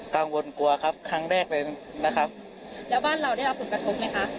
กังวลกลัวครับครั้งแรกเลยนะครับแล้วบ้านเราได้รับผลกระทบไหมคะ